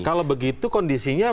kalau begitu kondisinya